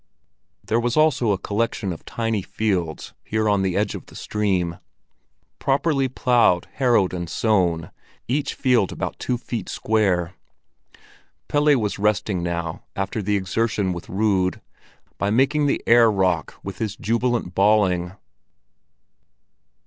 There was also a collection of tiny fields here on the edge of the stream, properly ploughed, harrowed, and sown, each field about two feet square. Pelle was resting now after the exertion with Rud, by making the air rock with his jubilant bawling.